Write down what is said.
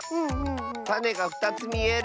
たねが２つみえる。